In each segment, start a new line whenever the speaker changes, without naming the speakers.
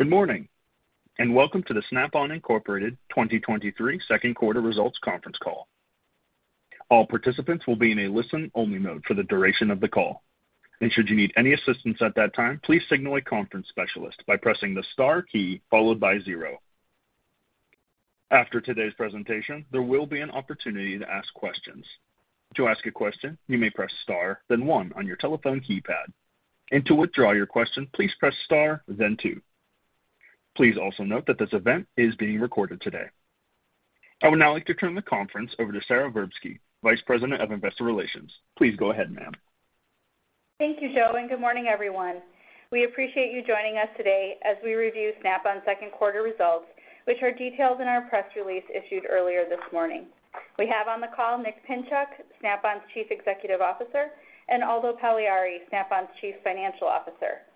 Good morning, welcome to the Snap-on Incorporated 2023 Second Quarter Results Conference Call. All participants will be in a listen-only mode for the duration of the call. Should you need any assistance at that time, please signal a conference specialist by pressing the star key followed by zero. After today's presentation, there will be an opportunity to ask questions. To ask a question, you may press star, then one on your telephone keypad, and to withdraw your question, please press star then two. Please also note that this event is being recorded today. I would now like to turn the conference over to Sara Verbsky, Vice President of Investor Relations. Please go ahead, ma'am.
Thank you, Joe. Good morning, everyone. We appreciate you joining us today as we review Snap-on's second quarter results, which are detailed in our press release issued earlier this morning. We have on the call Nick Pinchuk, Snap-on's Chief Executive Officer, and Aldo Pagliari, Snap-on's Chief Financial Officer.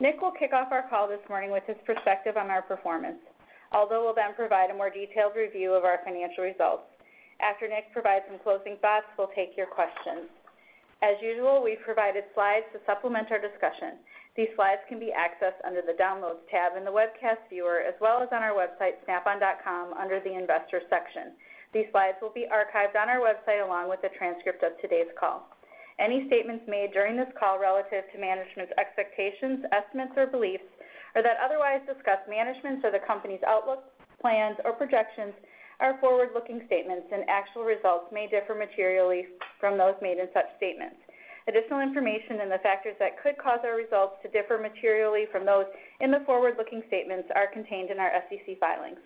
Nick will kick off our call this morning with his perspective on our performance. Aldo will provide a more detailed review of our financial results. After Nick provides some closing thoughts, we'll take your questions. As usual, we've provided slides to supplement our discussion. These slides can be accessed under the Downloads tab in the webcast viewer, as well as on our website, snapon.com, under the Investors section. These slides will be archived on our website, along with a transcript of today's call. Any statements made during this call relative to management's expectations, estimates, or beliefs, or that otherwise discuss management's or the company's outlook, plans, or projections are forward-looking statements, and actual results may differ materially from those made in such statements. Additional information and the factors that could cause our results to differ materially from those in the forward-looking statements are contained in our SEC filings.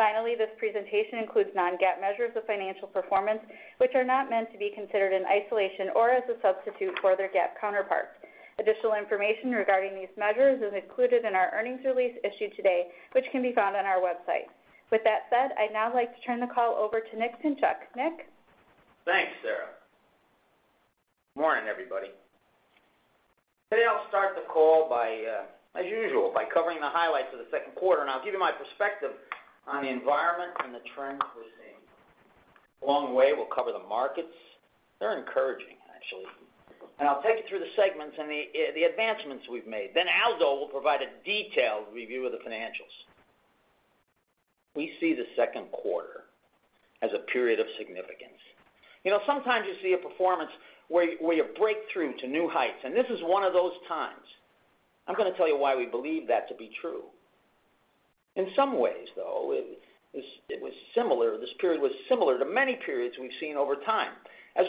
Finally, this presentation includes non-GAAP measures of financial performance, which are not meant to be considered in isolation or as a substitute for their GAAP counterparts. Additional information regarding these measures is included in our earnings release issued today, which can be found on our website. With that said, I'd now like to turn the call over to Nick Pinchuk. Nick?
Thanks, Sara. Morning, everybody. Today, I'll start the call by, as usual, by covering the highlights of the second quarter. I'll give you my perspective on the environment and the trends we're seeing. Along the way, we'll cover the markets. They're encouraging, actually. I'll take you through the segments and the advancements we've made. Aldo will provide a detailed review of the financials. We see the second quarter as a period of significance. You know, sometimes you see a performance where you break through to new heights. This is one of those times. I'm gonna tell you why we believe that to be true. In some ways, though, it was similar, this period was similar to many periods we've seen over time. As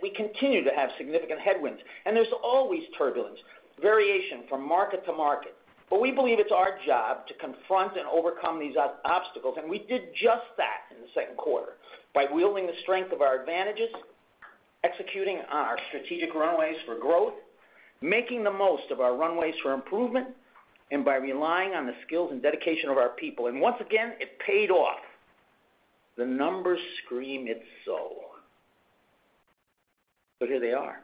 we continue to have significant headwinds. There's always turbulence, variation from market to market. We believe it's our job to confront and overcome these obstacles, and we did just that in the second quarter by wielding the strength of our advantages, executing on our strategic runways for growth, making the most of our runways for improvement, and by relying on the skills and dedication of our people. Once again, it paid off. The numbers scream it so. Here they are.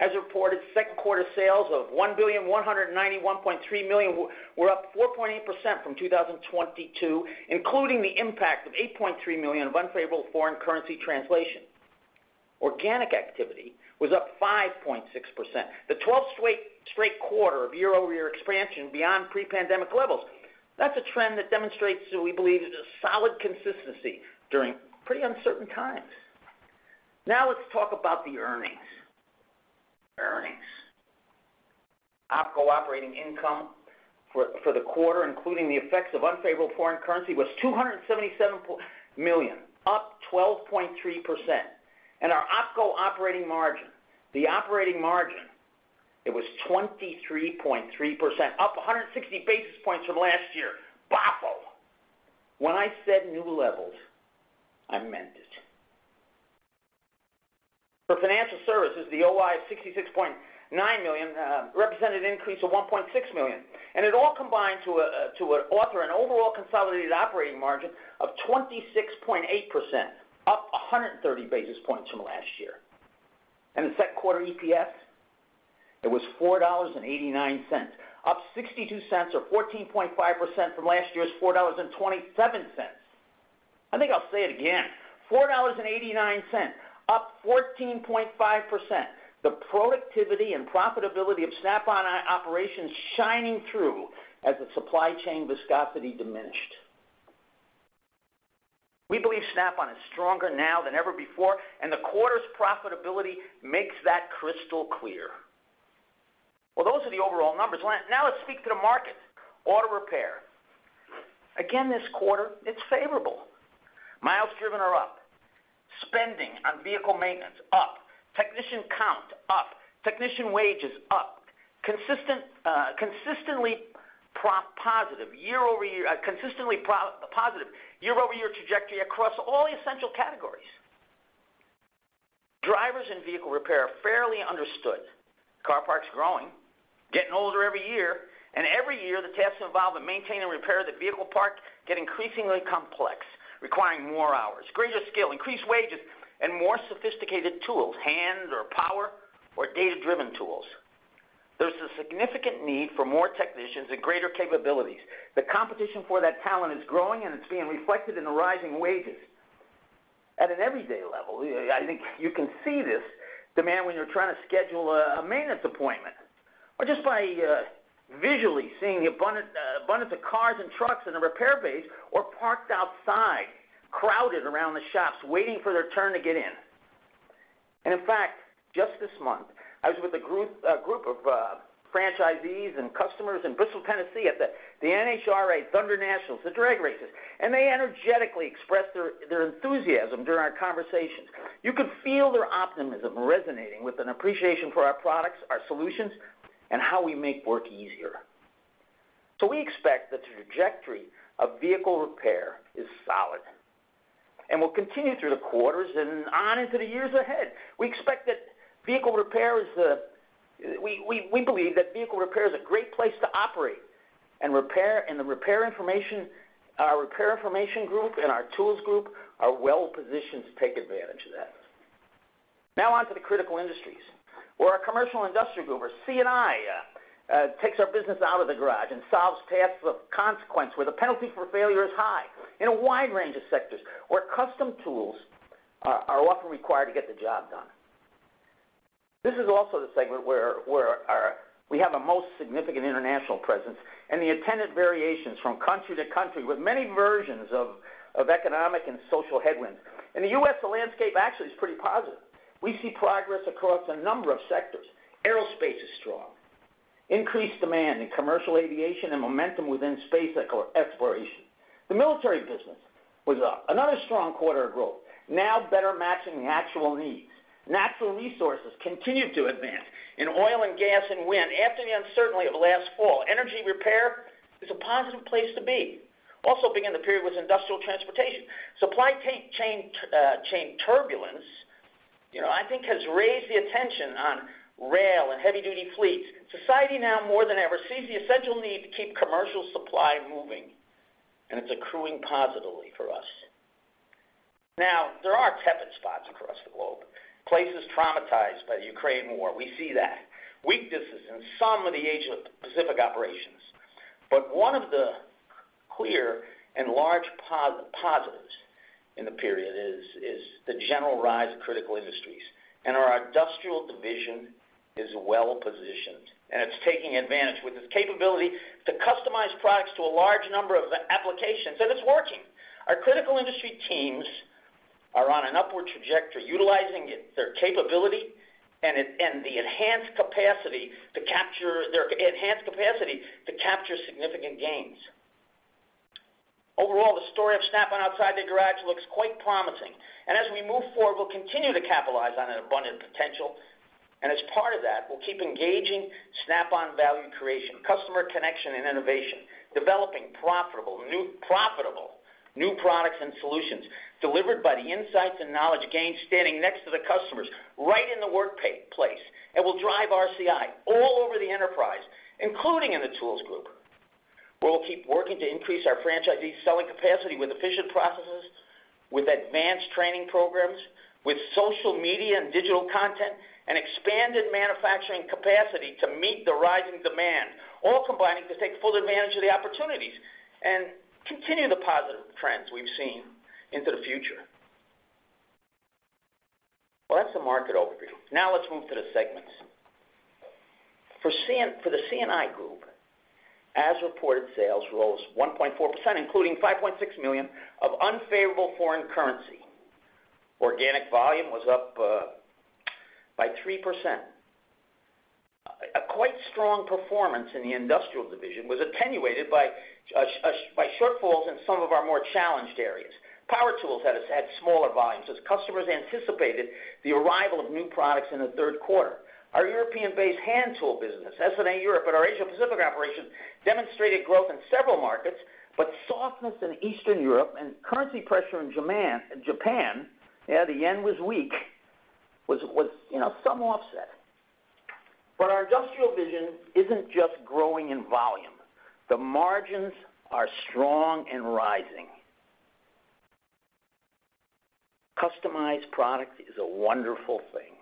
As reported, second quarter sales of $1.1913 billion were up 4.8% from 2022, including the impact of $80.3 million of unfavorable foreign currency translation. Organic activity was up 5.6%, the 12th straight quarter of year-over-year expansion beyond pre-pandemic levels. That's a trend that demonstrates, we believe, a solid consistency during pretty uncertain times. Let's talk about the earnings. Earnings. Opco operating income for the quarter, including the effects of unfavorable foreign currency, was $277 million, up 12.3%. Our Opco operating margin, it was 23.3%, up 160 basis points from last year. Boffo! When I said new levels, I meant it. For financial services, the OI of $66.9 million represented an increase of $1.6 million, and it all combined to author an overall consolidated operating margin of 26.8%, up 130 basis points from last year. The second quarter EPS, it was $4.89, up $0.62 or 14.5% from last year's $4.27. I think I'll say it again, $4.89, up 14.5%. The productivity and profitability of Snap-on operations shining through as the supply chain viscosity diminished. We believe Snap-on is stronger now than ever before, and the quarter's profitability makes that crystal clear. Well, those are the overall numbers. Let's speak to the market. Auto repair. Again, this quarter, it's favorable. Miles driven are up. Spending on vehicle maintenance, up. Technician count, up. Technician wages, up. Consistent, consistently pro- positive year-over-year trajectory across all essential categories. Drivers and vehicle repair are fairly understood. Car park's growing, getting older every year, and every year, the tasks involved in maintaining and repair the vehicle park get increasingly complex, requiring more hours, greater skill, increased wages, and more sophisticated tools, hand or power or data-driven tools. There's a significant need for more technicians and greater capabilities. The competition for that talent is growing, and it's being reflected in the rising wages at an everyday level. I think you can see this demand when you're trying to schedule a maintenance appointment or just by visually seeing the abundant abundance of cars and trucks in a repair base or parked outside, crowded around the shops, waiting for their turn to get in. In fact, just this month, I was with a group of franchisees and customers in Bristol, Tennessee, at the NHRA Thunder Nationals, the drag races, and they energetically expressed their enthusiasm during our conversations. You could feel their optimism resonating with an appreciation for our products, our solutions, and how we make work easier. We expect that the trajectory of vehicle repair is solid and will continue through the quarters and on into the years ahead. We expect that vehicle repair is, we believe that vehicle repair is a great place to operate, and the repair information, our repair information group and our tools group are well positioned to take advantage of that. On to the critical industries, where our commercial industry group, or C&I, takes our business out of the garage and solves tasks of consequence, where the penalty for failure is high, in a wide range of sectors, where custom tools are often required to get the job done. This is also the segment where we have a most significant international presence and the attendant variations from country to country, with many versions of economic and social headwinds. In the U.S., the landscape actually is pretty positive. We see progress across a number of sectors. Aerospace is strong. Increased demand in commercial aviation and momentum within space exploration. The military business was up, another strong quarter of growth, now better matching natural needs. Natural resources continued to advance in oil and gas and wind after the uncertainty of last fall. Energy repair is a positive place to be. Also beginning the period was industrial transportation. Supply chain turbulence, you know, I think, has raised the attention on rail and heavy-duty fleets. Society now, more than ever, sees the essential need to keep commercial supply moving, and it's accruing positively for us. Now, there are tepid spots across the globe, places traumatized by the Ukraine War. We see that. Weaknesses in some of the Asia Pacific operations. One of the clear and large positives in the period is the general rise of critical industries. Our industrial division is well positioned, and it's taking advantage with its capability to customize products to a large number of applications, and it's working. Our critical industry teams are on an upward trajectory, utilizing their capability and the enhanced capacity to capture significant gains. Overall, the story of Snap-on outside the garage looks quite promising. As we move forward, we'll continue to capitalize on an abundant potential. As part of that, we'll keep engaging Snap-on value creation, customer connection, and innovation, developing profitable new products and solutions delivered by the insights and knowledge gained standing next to the customers, right in the workplace. It will drive RCI all over the enterprise, including in the tools group, where we'll keep working to increase our franchisees' selling capacity with efficient processes, with advanced training programs, with social media and digital content, and expanded manufacturing capacity to meet the rising demand, all combining to take full advantage of the opportunities and continue the positive trends we've seen into the future. That's the market overview. Let's move to the segments. For the C&I group, as reported, sales rose 1.4%, including $5.6 million of unfavorable foreign currency. Organic volume was up by 3%. A quite strong performance in the industrial division was attenuated by shortfalls in some of our more challenged areas. Power tools had smaller volumes as customers anticipated the arrival of new products in the third quarter. Our European-based hand tool business, SNA Europe, and our Asia Pacific operation demonstrated growth in several markets, softness in Eastern Europe and currency pressure in Japan, yeah, the yen was weak, was, you know, some offset. Our industrial vision isn't just growing in volume. The margins are strong and rising. Customized product is a wonderful thing.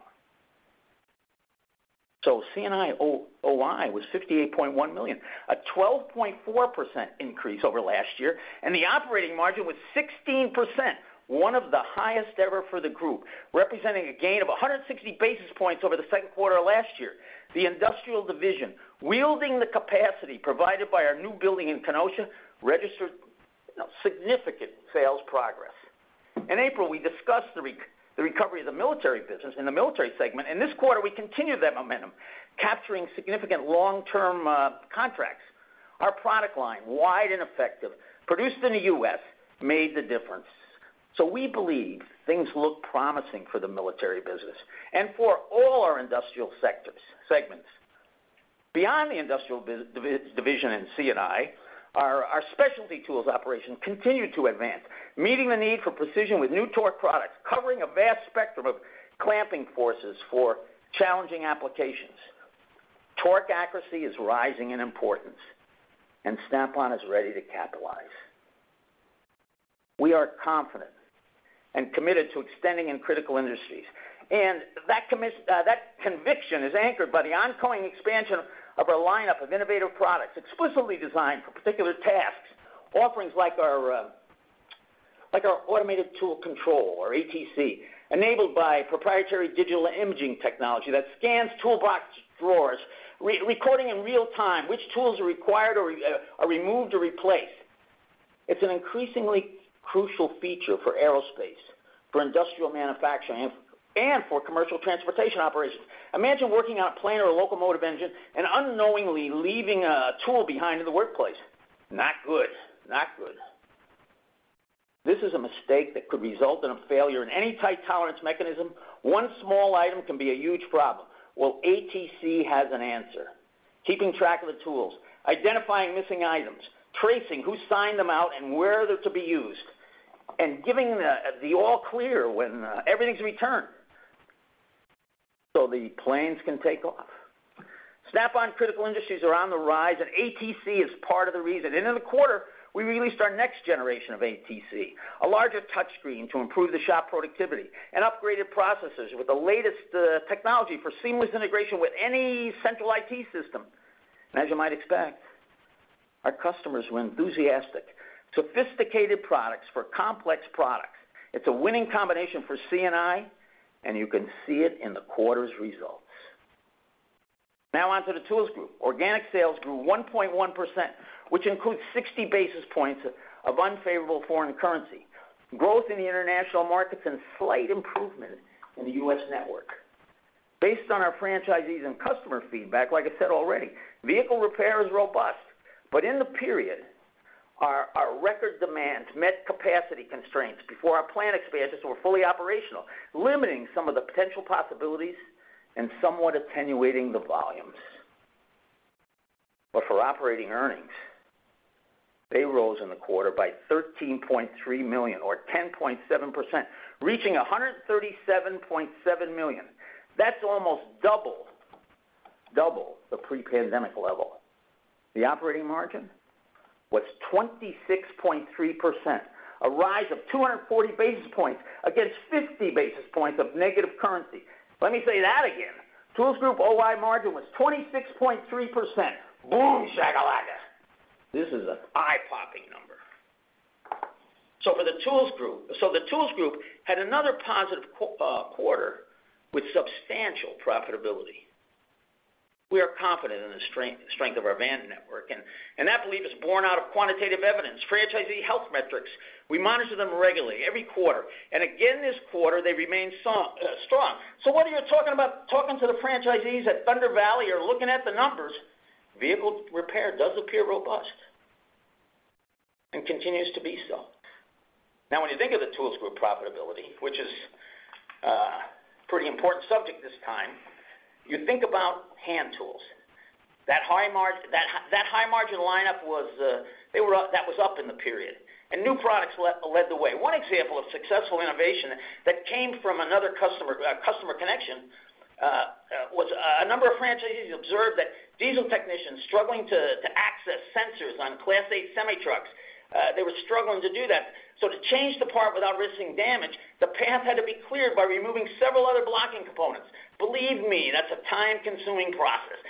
C&I OI was $58.1 million, a 12.4% increase over last year, and the operating margin was 16%, one of the highest ever for the group, representing a gain of 160 basis points over the second quarter of last year. The Industrial Division, wielding the capacity provided by our new building in Kenosha, registered significant sales progress. In April, we discussed the recovery of the military business in the military segment. This quarter, we continued that momentum, capturing significant long-term contracts. Our product line, wide and effective, produced in the U.S., made the difference. We believe things look promising for the military business and for all our industrial segments. Beyond the industrial division in C&I, our specialty tools operation continued to advance, meeting the need for precision with new torque products, covering a vast spectrum of clamping forces for challenging applications. Torque accuracy is rising in importance. Snap-on is ready to capitalize. We are confident and committed to extending in critical industries. That conviction is anchored by the ongoing expansion of our lineup of innovative products, explicitly designed for particular tasks, offerings like our. Our Automated Tool Control or ATC, enabled by proprietary digital imaging technology that scans toolbox drawers, recording in real time which tools are required or are removed or replaced. It's an increasingly crucial feature for aerospace, for industrial manufacturing, and for commercial transportation operations. Imagine working on a plane or a locomotive engine and unknowingly leaving a tool behind in the workplace. Not good. Not good. This is a mistake that could result in a failure in any tight tolerance mechanism. One small item can be a huge problem. Well, ATC has an answer. Keeping track of the tools, identifying missing items, tracing who signed them out and where they're to be used, and giving the all clear when everything's returned. The planes can take off. Snap-on Critical Industries are on the rise. ATC is part of the reason. In the quarter, we released our next generation of ATC, a larger touchscreen to improve the shop productivity and upgraded processes with the latest technology for seamless integration with any central IT system. As you might expect, our customers were enthusiastic. Sophisticated products for complex products. It's a winning combination for C&I, and you can see it in the quarter's results. Now on to the Snap-on Tools Group. Organic sales grew 1.1%, which includes 60 basis points of unfavorable foreign currency, growth in the international markets, and slight improvement in the U.S. network. Based on our franchisees and customer feedback, like I said already, vehicle repair is robust, but in the period, our record demands met capacity constraints before our planned expansions were fully operational, limiting some of the potential possibilities and somewhat attenuating the volumes. For operating earnings, they rose in the quarter by $13.3 million, or 10.7%, reaching $137.7 million. That's almost double the pre-pandemic level. The operating margin was 26.3%, a rise of 240 basis points against 50 basis points of negative currency. Let me say that again. Tools Group OI margin was 26.3%. Boom, shakalaka! This is an eye-popping number. The Tools Group had another positive quarter with substantial profitability. We are confident in the strength of our van network, and that belief is born out of quantitative evidence. Franchisee health metrics, we monitor them regularly, every quarter, and again, this quarter, they remain strong. Whether you're talking about talking to the franchisees at Thunder Valley or looking at the numbers, vehicle repair does appear robust and continues to be so. When you think of the tools group profitability, which is pretty important subject this time, you think about hand tools. That high margin lineup was up in the period, and new products led the way. One example of successful innovation that came from another customer connection, was a number of franchisees observed that diesel technicians struggling to access sensors on Class 8 semi-trucks, they were struggling to do that. To change the part without risking damage, the path had to be cleared by removing several other blocking components. Believe me, that's a time-consuming process.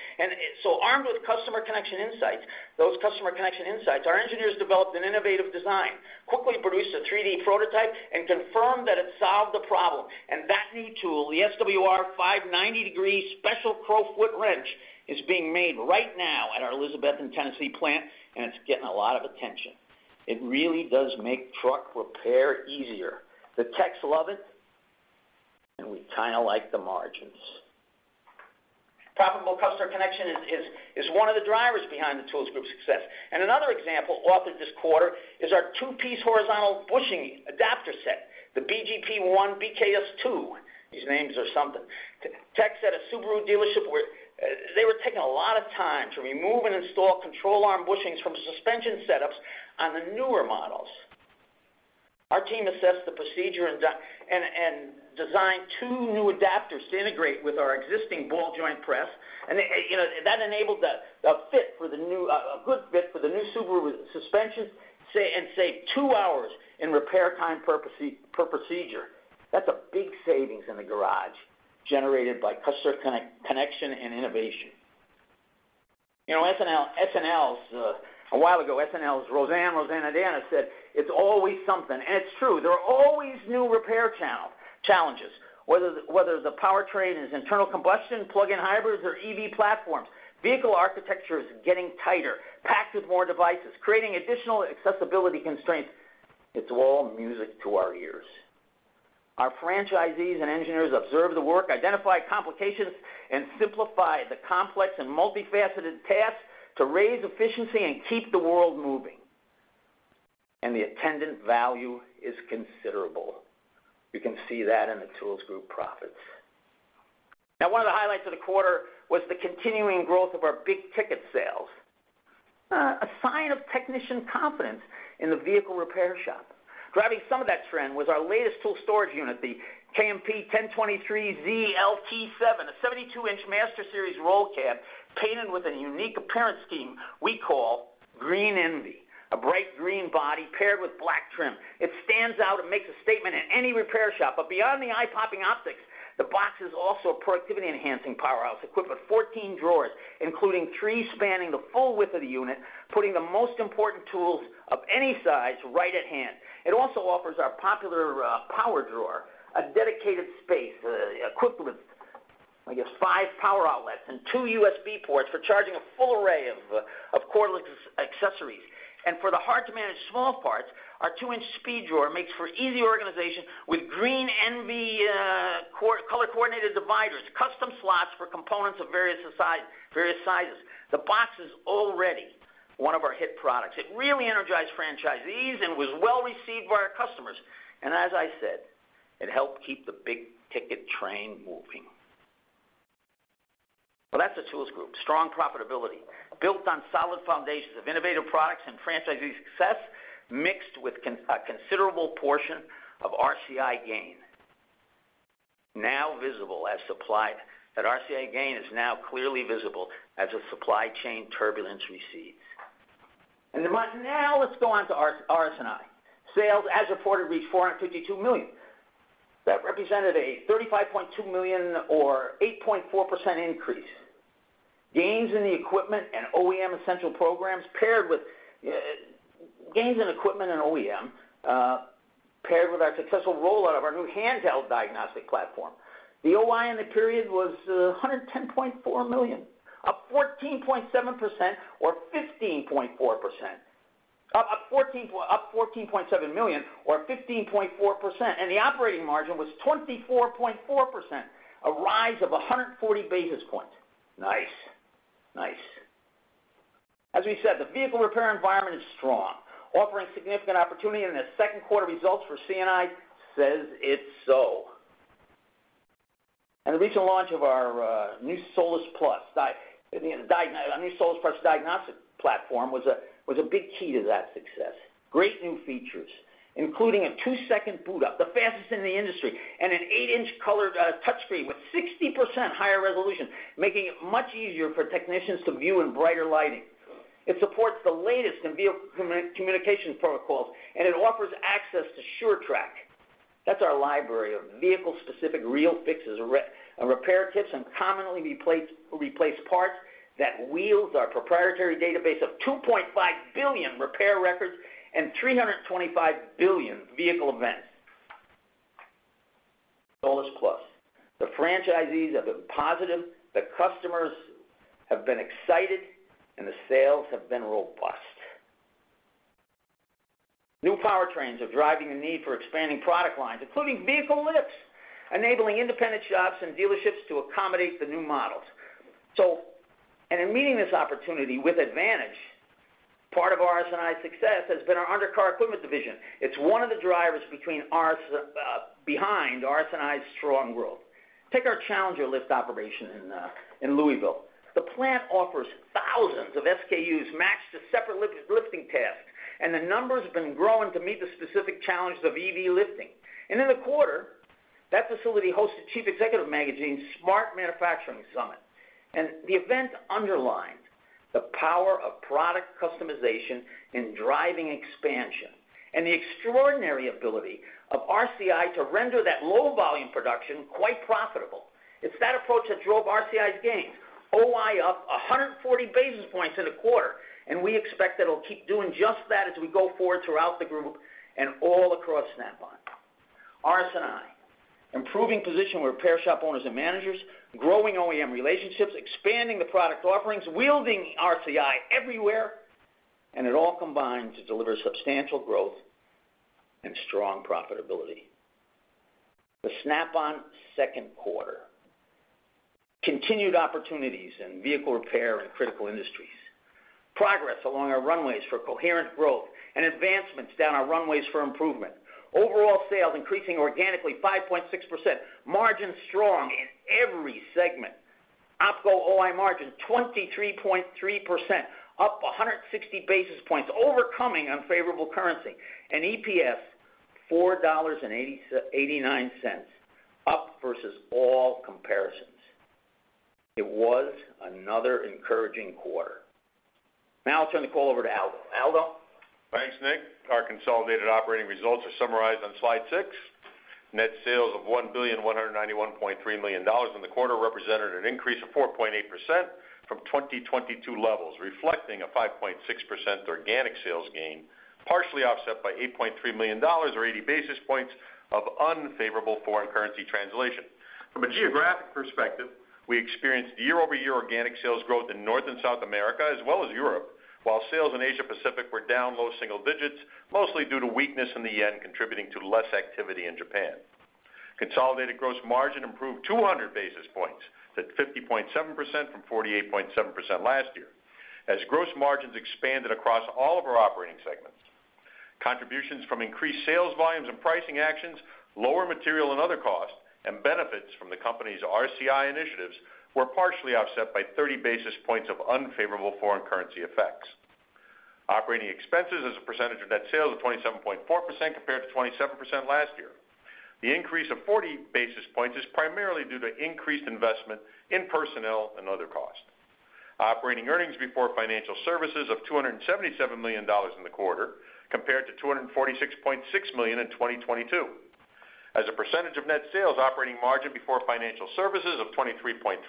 Armed with customer connection insights, our engineers developed an innovative design, quickly produced a 3D prototype, and confirmed that it solved the problem. That new tool, the SWR590 degree special crowfoot wrench, is being made right now at our Elizabethton, Tennessee plant, and it's getting a lot of attention. It really does make truck repair easier. The techs love it, and we kinda like the margins. Profitable customer connection is one of the drivers behind the Tools Group success. Another example offered this quarter is our 2-piece horizontal bushing adapter set, the BJP1, BKS Two. These names are something. Tech said a Subaru dealership they were taking a lot of time to remove and install control arm bushings from suspension setups on the newer models. Our team assessed the procedure and designed two new adapters to integrate with our existing Ball Joint Press. you know, that enabled the fit for the new, a good fit for the new Subaru suspensions, say, and save two hours in repair time per procedure. That's a big savings in the garage, generated by customer connection and innovation. You know, A while ago, SNL's Roseanne Roseannadanna said, "It's always something," and it's true. There are always new repair challenges, whether the powertrain is internal combustion, plug-in hybrids, or EV platforms. Vehicle architecture is getting tighter, packed with more devices, creating additional accessibility constraints. It's all music to our ears. Our franchisees and engineers observe the work, identify complications, and simplify the complex and multifaceted tasks to raise efficiency and keep the world moving. The attendant value is considerable. You can see that in the tools group profits. One of the highlights of the quarter was the continuing growth of our big ticket sales, a sign of technician confidence in the vehicle repair shop. Driving some of that trend was our latest tool storage unit, the KMP1023AZLT7, a 72-inch Master Series roll cab, painted with a unique appearance scheme we call Green Envy, a bright green body paired with black trim. It stands out and makes a statement in any repair shop. Beyond the eye-popping optics, the box is also a productivity-enhancing powerhouse, equipped with 14 drawers, including three spanning the full width of the unit, putting the most important tools of any size right at hand. It also offers our popular PowerDrawer, a dedicated space, equipped with five power outlets and two USB ports for charging a full array of cordless accessories. For the hard-to-manage small parts, our 2-inch SpeedDrawer makes for easy organization with Green Envy color-coordinated dividers, custom slots for components of various sizes. The box is already one of our hit products. It really energized franchisees and was well-received by our customers. As I said, it helped keep the big ticket train moving. Well, that's the Tools Group. Strong profitability, built on solid foundations of innovative products and franchisee success, mixed with a considerable portion of RCI gain. That RCI gain is now clearly visible as the supply chain turbulence recedes. Right now, let's go on to our RS&I. Sales, as reported, reached $452 million. That represented a $35.2 million or 8.4% increase. Gains in the equipment and OEM essential programs, paired with our successful rollout of our new handheld diagnostic platform. The OI in the period was $110.4 million, up 14.7% or 15.4%. Up $14.7 million or 15.4%, the operating margin was 24.4%, a rise of 140 basis points. Nice. Nice. As we said, the vehicle repair environment is strong, offering significant opportunity. The second quarter results for C&I says it's so. The recent launch of our new SOLUS+ diagnostic platform was a big key to that success. Great new features, including a 2-second boot up, the fastest in the industry, and an 8-inch color touchscreen with 60% higher resolution, making it much easier for technicians to view in brighter lighting. It supports the latest in vehicle communication protocols. It offers access to SureTrack. That's our library of vehicle-specific real fixes, repair tips, and commonly replaced parts that wields our proprietary database of 2.5 billion repair records and 325 billion vehicle events. SOLUS+, the franchisees have been positive, the customers have been excited, and the sales have been robust. New powertrains are driving the need for expanding product lines, including vehicle lifts, enabling independent shops and dealerships to accommodate the new models. In meeting this opportunity with advantage, part of RS&I's success has been our undercar equipment division. It's one of the drivers behind RS&I's strong growth. Take our Challenger lift operation in Louisville. The plant offers thousands of SKUs matched to separate lifting tasks, and the number's been growing to meet the specific challenges of EV lifting. In the quarter, that facility hosted Chief Executive magazine's Smart Manufacturing Summit, and the event underlined the power of product customization in driving expansion and the extraordinary ability of RCI to render that low-volume production quite profitable. It's that approach that drove RCI's gains, OI up 140 basis points in a quarter, and we expect that it'll keep doing just that as we go forward throughout the group and all across Snap-on. RS&I, improving position with repair shop owners and managers, growing OEM relationships, expanding the product offerings, wielding RCI everywhere, it all combines to deliver substantial growth and strong profitability. The Snap-on second quarter: continued opportunities in vehicle repair and critical industries, progress along our runways for coherent growth and advancements down our runways for improvement. Overall sales increasing organically 5.6%. Margins strong in every segment. OpCo OI margin, 23.3%, up 160 basis points, overcoming unfavorable currency. EPS, $4.89, up versus all comparisons. It was another encouraging quarter. Now I'll turn the call over to Aldo. Aldo?
Thanks, Nick. Our consolidated operating results are summarized on slide 6. Net sales of $1,191.3 million in the quarter represented an increase of 4.8% from 2022 levels, reflecting a 5.6% organic sales gain, partially offset by $8.3 million or 80 basis points of unfavorable foreign currency translation. From a geographic perspective, we experienced year-over-year organic sales growth in North and South America as well as Europe, while sales in Asia Pacific were down low single digits, mostly due to weakness in the yen, contributing to less activity in Japan. Consolidated gross margin improved 200 basis points to 50.7% from 48.7% last year, as gross margins expanded across all of our operating segments. Contributions from increased sales volumes and pricing actions, lower material and other costs, and benefits from the company's RCI initiatives were partially offset by 30 basis points of unfavorable foreign currency effects. Operating expenses as a percentage of net sales of 27.4% compared to 27% last year. The increase of 40 basis points is primarily due to increased investment in personnel and other costs. Operating earnings before financial services of $277 million in the quarter, compared to $246.6 million in 2022. As a percentage of net sales, operating margin before financial services of 23.3%,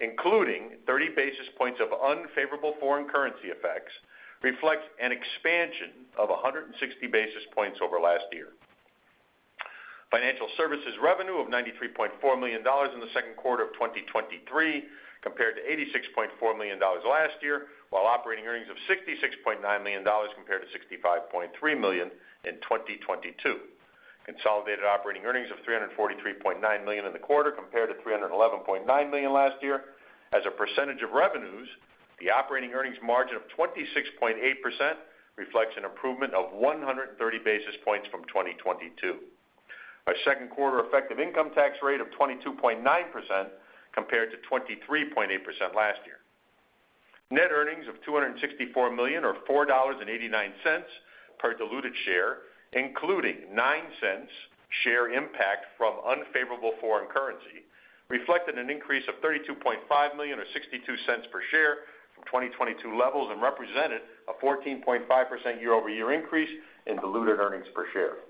including 30 basis points of unfavorable foreign currency effects, reflects an expansion of 160 basis points over last year. Financial services revenue of $93.4 million in the second quarter of 2023, compared to $86.4 million last year, while operating earnings of $66.9 million compared to $65.3 million in 2022. Consolidated operating earnings of $343.9 million in the quarter, compared to $311.9 million last year. As a percentage of revenues, the operating earnings margin of 26.8% reflects an improvement of 130 basis points from 2022. Our second quarter effective income tax rate of 22.9% compared to 23.8% last year. Net earnings of $264 million, or $4.89 per diluted share, including $0.09 share impact from unfavorable foreign currency, reflected an increase of $32.5 million or $0.62 per share from 2022 levels and represented a 14.5% year-over-year increase in diluted earnings per share.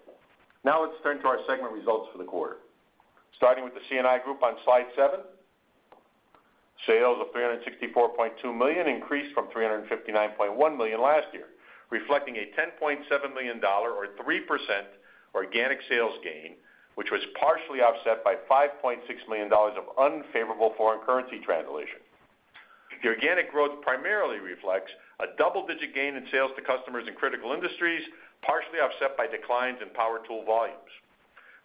Let's turn to our segment results for the quarter. Starting with the C&I Group on Slide 7, sales of $364.2 million increased from $359.1 million last year, reflecting a $10.7 million or 3% organic sales gain, which was partially offset by $5.6 million of unfavorable foreign currency translation. The organic growth primarily reflects a double-digit gain in sales to customers in critical industries, partially offset by declines in power tool volumes.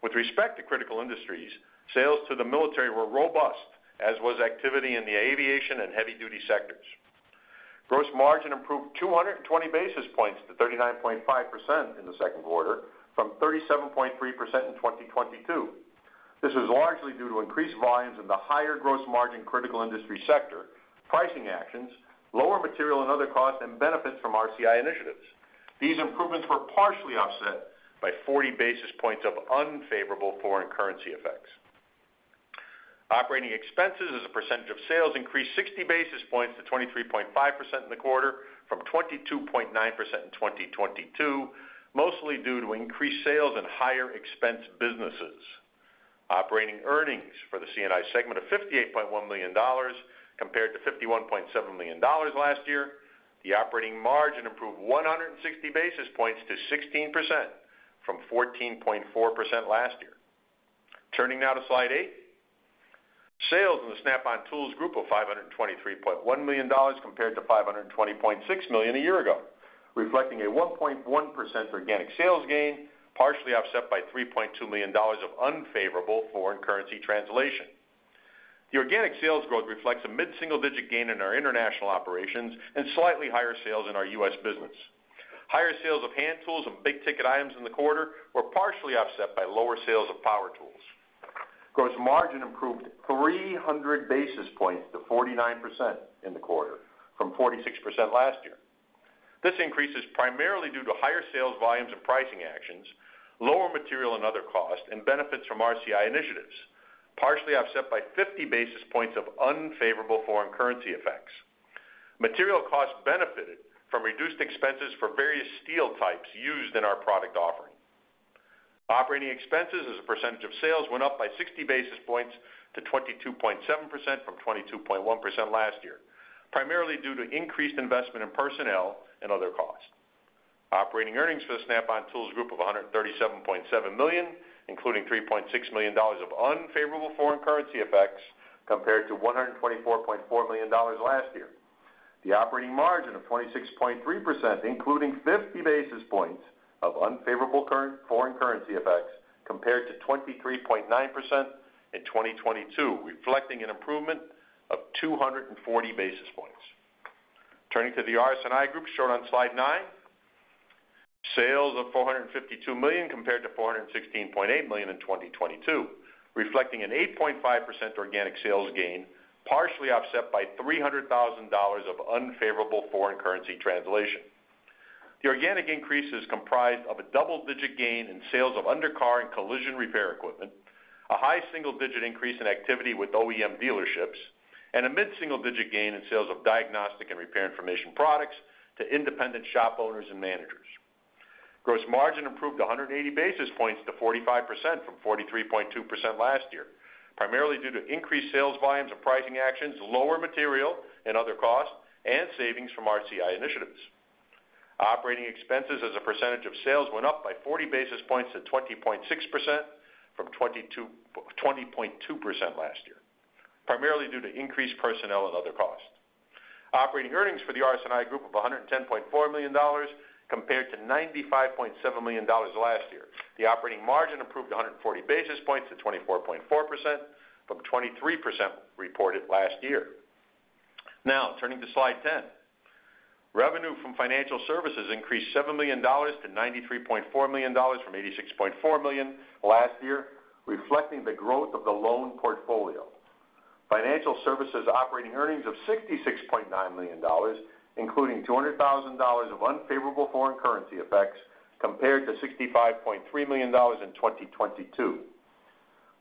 With respect to critical industries, sales to the military were robust, as was activity in the aviation and heavy-duty sectors. Gross margin improved 220 basis points to 39.5% in the second quarter, from 37.3% in 2022. This is largely due to increased volumes in the higher gross margin critical industry sector, pricing actions, lower material and other costs, and benefits from RCI initiatives. These improvements were partially offset by 40 basis points of unfavorable foreign currency effects. Operating expenses as a percentage of sales increased 60 basis points to 23.5% in the quarter from 22.9% in 2022, mostly due to increased sales in higher expense businesses. Operating earnings for the C&I segment of $58.1 million compared to $51.7 million last year. The operating margin improved 160 basis points to 16% from 14.4% last year. Turning now to Slide eight. Sales in the Snap-on Tools Group of $523.1 million compared to $520.6 million a year ago, reflecting a 1.1% organic sales gain, partially offset by $3.2 million of unfavorable foreign currency translation. The organic sales growth reflects a mid-single-digit gain in our international operations and slightly higher sales in our U.S. business. Higher sales of hand tools and big-ticket items in the quarter were partially offset by lower sales of power tools. Gross margin improved 300 basis points to 49% in the quarter from 46% last year. This increase is primarily due to higher sales volumes and pricing actions, lower material and other costs, and benefits from RCI initiatives, partially offset by 50 basis points of unfavorable foreign currency effects. Material costs benefited from reduced expenses for various steel types used in our product offering. Operating expenses as a percentage of sales went up by 60 basis points to 22.7% from 22.1% last year, primarily due to increased investment in personnel and other costs. Operating earnings for the Snap-on Tools Group of $137.7 million, including $3.6 million of unfavorable foreign currency effects, compared to $124.4 million last year. The operating margin of 26.3%, including 50 basis points of unfavorable foreign currency effects, compared to 23.9% in 2022, reflecting an improvement of 240 basis points. Turning to the RS&I Group, shown on Slide nine. Sales of $452 million compared to $416.8 million in 2022, reflecting an 8.5% organic sales gain, partially offset by $300,000 of unfavorable foreign currency translation. The organic increase is comprised of a double-digit gain in sales of undercar and collision repair equipment, a high single-digit increase in activity with OEM dealerships, and a mid-single-digit gain in sales of diagnostic and repair information products to independent shop owners and managers. Gross margin improved 180 basis points to 45% from 43.2% last year, primarily due to increased sales volumes and pricing actions, lower material and other costs, and savings from RCI initiatives. Operating expenses as a percentage of sales went up by 40 basis points to 20.6% from 20.2% last year, primarily due to increased personnel and other costs. Operating earnings for the RS&I Group of $110.4 million compared to $95.7 million last year. The operating margin improved 140 basis points to 24.4% from 23% reported last year. Turning to Slide 10. Revenue from financial services increased $7 million to $93.4 million from $86.4 million last year, reflecting the growth of the loan portfolio. Financial services operating earnings of $66.9 million, including $200,000 of unfavorable foreign currency effects, compared to $65.3 million in 2022.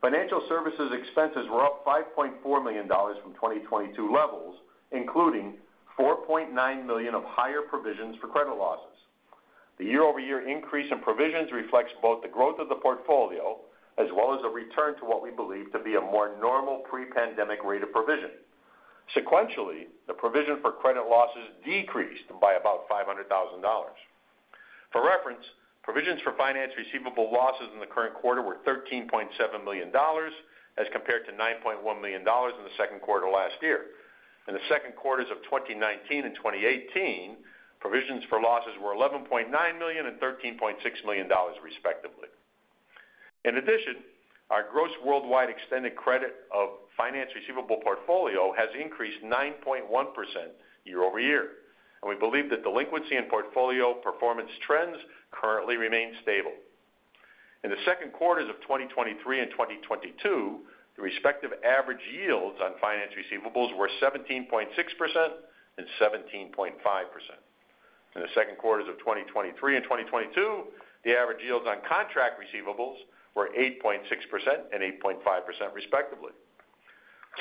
Financial services expenses were up $5.4 million from 2022 levels, including $4.9 million of higher provisions for credit losses. The year-over-year increase in provisions reflects both the growth of the portfolio, as well as a return to what we believe to be a more normal pre-pandemic rate of provision. Sequentially, the provision for credit losses decreased by about $500,000. For reference, provisions for finance receivable losses in the current quarter were $13.7 million, as compared to $9.1 million in the second quarter last year. In the second quarters of 2019 and 2018, provisions for losses were $11.9 million and $13.6 million, respectively. In addition, our gross worldwide extended credit of finance receivable portfolio has increased 9.1% year-over-year. We believe that delinquency and portfolio performance trends currently remain stable. In the second quarters of 2023 and 2022, the respective average yields on finance receivables were 17.6% and 17.5%. In the second quarters of 2023 and 2022, the average yields on contract receivables were 8.6% and 8.5%, respectively.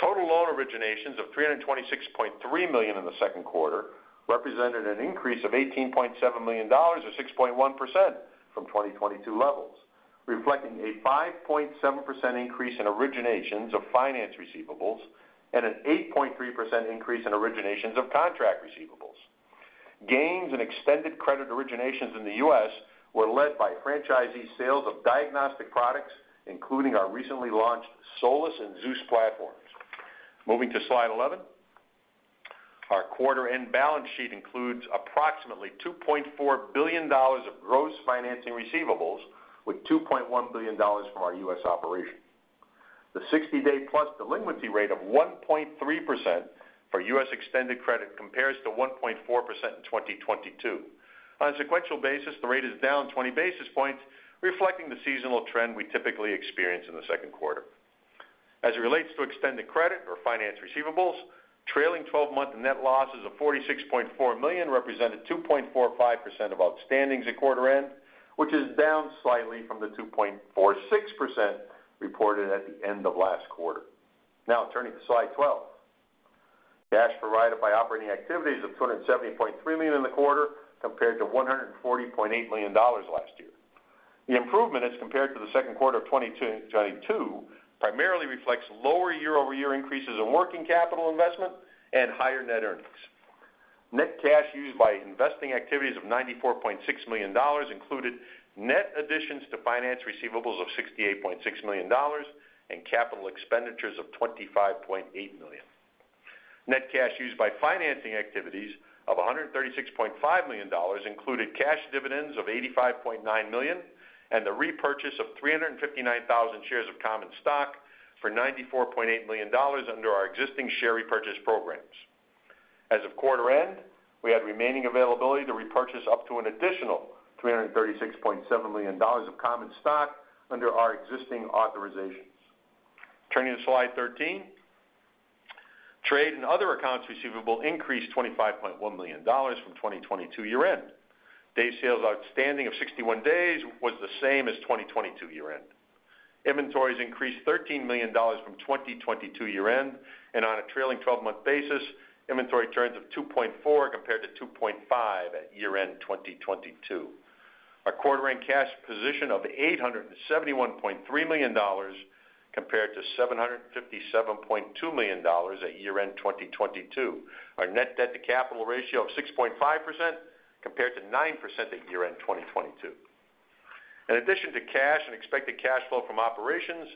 Total loan originations of $326.3 million in the second quarter represented an increase of $18.7 million, or 6.1% from 2022 levels, reflecting a 5.7% increase in originations of finance receivables and an 8.3% increase in originations of contract receivables. Gains in extended credit originations in the U.S. were led by franchisee sales of diagnostic products, including our recently launched SOLUS and ZEUS platforms. Moving to Slide 11. Our quarter-end balance sheet includes approximately $2.4 billion of gross financing receivables, with $2.1 billion from our U.S. operations. The 60-day-plus delinquency rate of 1.3% for U.S. extended credit compares to 1.4% in 2022. On a sequential basis, the rate is down 20 basis points, reflecting the seasonal trend we typically experience in the second quarter. As it relates to extended credit or finance receivables, trailing 12-month net losses of $46.4 million represented 2.45% of outstandings at quarter end, which is down slightly from the 2.46% reported at the end of last quarter. Turning to Slide 12. Cash provided by operating activities of $270.3 million in the quarter, compared to $140.8 million last year. The improvement, as compared to the second quarter of 2022, primarily reflects lower year-over-year increases in working capital investment and higher net earnings. Net cash used by investing activities of $94.6 million included net additions to finance receivables of $68.6 million and capital expenditures of $25.8 million. Net cash used by financing activities of $136.5 million included cash dividends of $85.9 million and the repurchase of 359,000 shares of common stock for $94.8 million under our existing share repurchase programs. As of quarter end, we had remaining availability to repurchase up to an additional $336.7 million of common stock under our existing authorizations. Turning to Slide 13, trade and other accounts receivable increased $25.1 million from 2022 year end. days sales outstanding of 61 days was the same as 2022 year end. Inventories increased $13 million from 2022 year end. On a trailing twelve-month basis, inventory turns of 2.4 compared to 2.5 at year end 2022. Our quarter end cash position of $871.3 million compared to $757.2 million at year end 2022. Our net debt to capital ratio of 6.5%, compared to 9% at year end 2022. In addition to cash and expected cash flow from operations,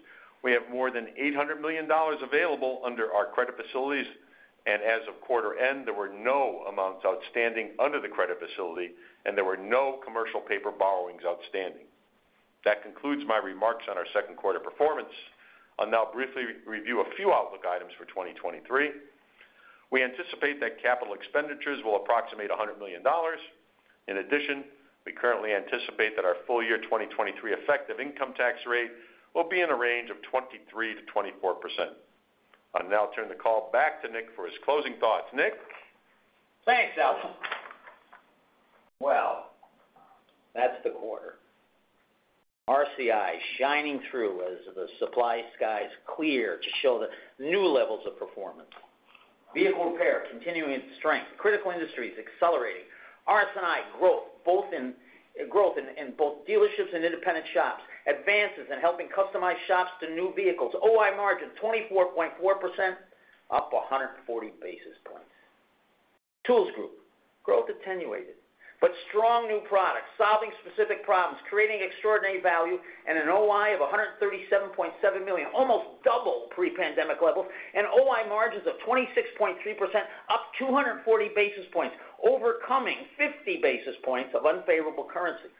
we have more than $800 million available under our credit facilities, and as of quarter end, there were no amounts outstanding under the credit facility, and there were no commercial paper borrowings outstanding. That concludes my remarks on our second quarter performance. I'll now briefly review a few outlook items for 2023. We anticipate that capital expenditures will approximate $100 million. In addition, we currently anticipate that our full year 2023 effective income tax rate will be in a range of 23%-24%. I'll now turn the call back to Nick for his closing thoughts. Nick?
Thanks, Aldo. That's the quarter. RCI shining through as the supply skies clear to show the new levels of performance. Vehicle repair continuing its strength, critical industries accelerating, RS&I growth in both dealerships and independent shops, advances in helping customize shops to new vehicles. OI margin, 24.4%, up 140 basis points. Tools Group, growth attenuated, but strong new products, solving specific problems, creating extraordinary value, and an OI of $137.7 million, almost double pre-pandemic levels, and OI margins of 26.3%, up 240 basis points, overcoming 50 basis points of unfavorable currency.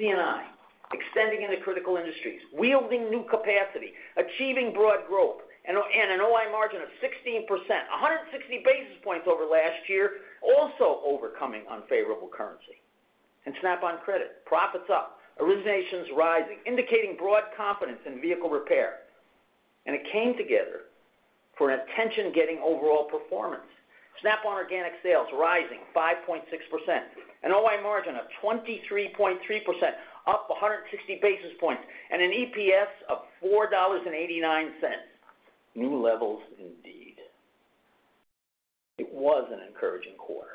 C&I, extending into critical industries, wielding new capacity, achieving broad growth, and an OI margin of 16%, 160 basis points over last year, also overcoming unfavorable currency. Snap-on Credit, profits up, originations rising, indicating broad confidence in vehicle repair, and it came together for an attention-getting overall performance. Snap-on organic sales rising 5.6%, an OI margin of 23.3%, up 160 basis points, and an EPS of $4.89. New levels indeed. It was an encouraging quarter,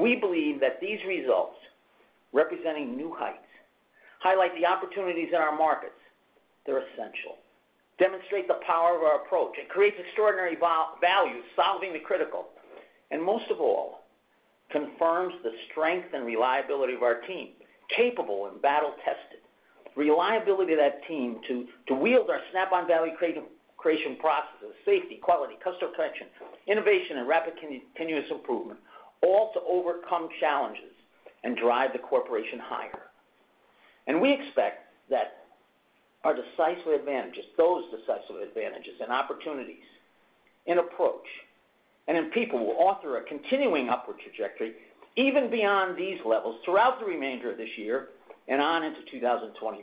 we believe that these results, representing new heights, highlight the opportunities in our markets. They're essential, demonstrate the power of our approach, creates extraordinary value, solving the critical, most of all, confirms the strength and reliability of our team, capable and battle-tested. Reliability of that team to wield our Snap-on value creation processes, safety, quality, customer collection, innovation, and rapid continuous improvement, all to overcome challenges and drive the corporation higher. We expect that our decisive advantages, those decisive advantages and opportunities in approach and in people, will author a continuing upward trajectory, even beyond these levels, throughout the remainder of this year and on into 2024.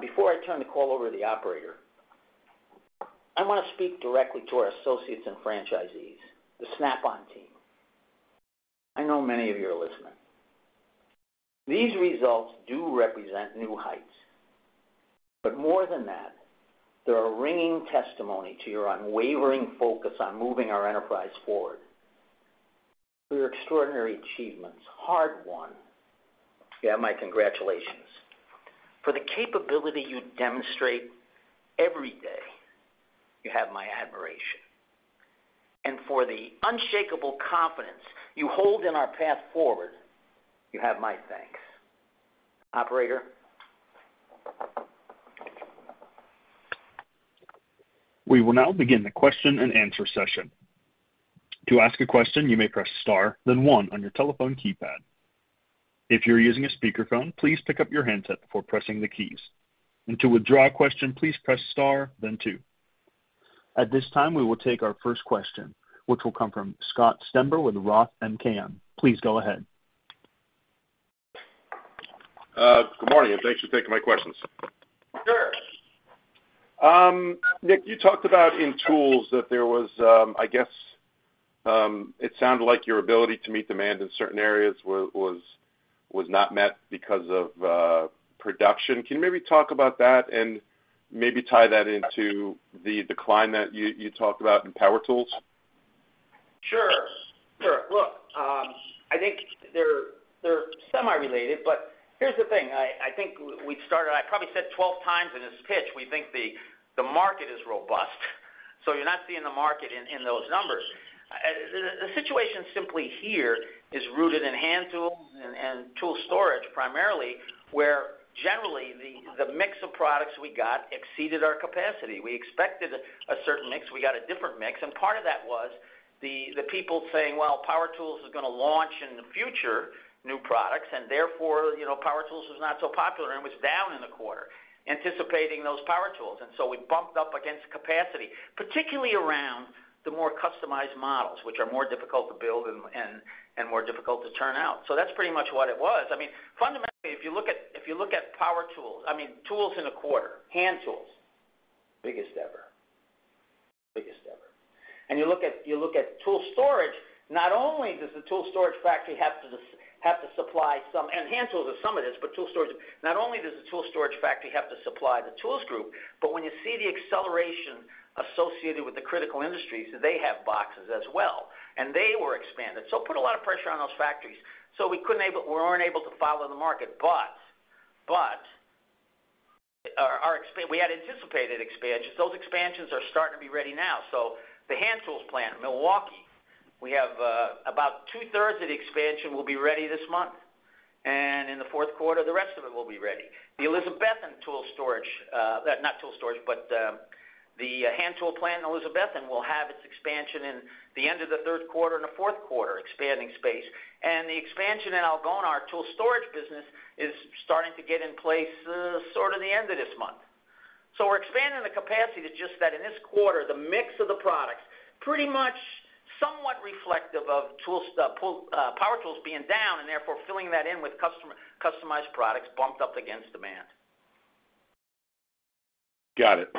Before I turn the call over to the operator, I want to speak directly to our associates and franchisees, the Snap-on team. I know many of you are listening. These results do represent new heights, but more than that, they're a ringing testimony to your unwavering focus on moving our enterprise forward. For your extraordinary achievements, hard won, you have my congratulations. For the capability you demonstrate every day, you have my admiration. For the unshakable confidence you hold in our path forward, you have my thanks. Operator?
We will now begin the question-and-answer session. To ask a question, you may press Star, then one on your telephone keypad. If you're using a speakerphone, please pick up your handset before pressing the keys. To withdraw a question, please press Star, then two. At this time, we will take our first question, which will come from Scott Stember with ROTH MKM. Please go ahead.
Good morning, thanks for taking my questions.
Sure.
Nick, you talked about in tools that there was, I guess, it sounded like your ability to meet demand in certain areas was not met because of production. Can you maybe talk about that and maybe tie that into the decline that you talked about in power tools?
Sure, sure. Look, I think they're semi-related, but here's the thing. I think we started, I probably said 12 times in this pitch, we think the market is robust, so you're not seeing the market in those numbers. The situation simply here is rooted in hand tools and tool storage, primarily, where generally the mix of products we got exceeded our capacity. We expected a certain mix, we got a different mix, and part of that was the people saying, "Well, power tools is gonna launch in the future, new products, and therefore, you know, power tools is not so popular," and was down in the quarter, anticipating those power tools. We bumped up against capacity, particularly around the more customized models, which are more difficult to build and more difficult to turn out. That's pretty much what it was. I mean, fundamentally, if you look at, if you look at power tools, I mean, tools in a quarter, hand tools, biggest ever. You look at tool storage, not only does the tool storage factory have to supply some, and hand tools are some of this, but tool storage. Not only does the tool storage factory have to supply the Tools Group, but when you see the acceleration associated with the critical industries, they have boxes as well, and they were expanded. It put a lot of pressure on those factories. We weren't able to follow the market, but, we had anticipated expansions. Those expansions are starting to be ready now. The hand tools plant in Milwaukee, we have about two-thirds of the expansion will be ready this month, and in the fourth quarter, the rest of it will be ready. The Elizabethton tool storage, not tool storage, but the hand tool plant in Elizabethton will have its expansion in the end of the third quarter and the fourth quarter, expanding space. The expansion in Algona, our tool storage business, is starting to get in place, sort of the end of this month. We're expanding the capacity to just that in this quarter, the mix of the products, pretty much somewhat reflective of pool, power tools being down and therefore filling that in with customer-customized products, bumped up against demand.
Got it.